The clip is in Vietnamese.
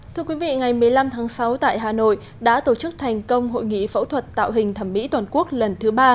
thưa quý vị ngày một mươi năm tháng sáu tại hà nội đã tổ chức thành công hội nghị phẫu thuật tạo hình thẩm mỹ toàn quốc lần thứ ba